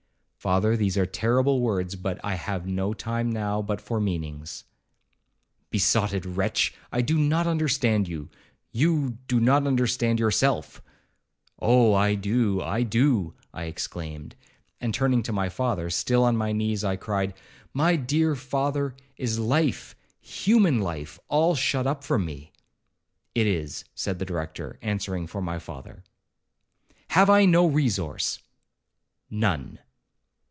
'Father, these are terrible words, but I have no time now but for meanings.' 'Besotted wretch, I do not understand you,—you do not understand yourself.' 'Oh! I do,—I do!' I exclaimed. And turning to my father, still on my knees, I cried, 'My dear father, is life,—human life, all shut up from me?' 'It is,' said the Director, answering for my father. 'Have I no resource?' 'None.'